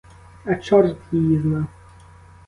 А чорт її зна!